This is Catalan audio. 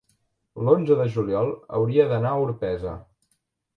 L'onze de juliol hauria d'anar a Orpesa.